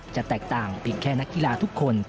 จะแตกต่างเพียงแค่นักกีฬาทุกคน